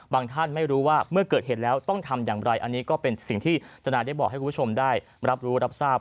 ท่านไม่รู้ว่าเมื่อเกิดเหตุแล้วต้องทำอย่างไรอันนี้ก็เป็นสิ่งที่ทนายได้บอกให้คุณผู้ชมได้รับรู้รับทราบ